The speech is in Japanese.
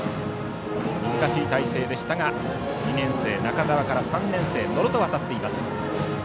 難しい体勢でしたが２年生の中澤から３年生の野呂と渡っています。